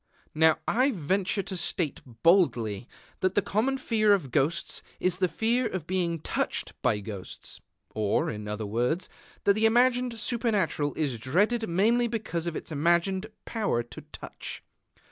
Now I venture to state boldly that the common fear of ghosts is the fear of being touched by ghosts, or, in other words, that the imagined Supernatural is dreaded mainly because of its imagined power to touch.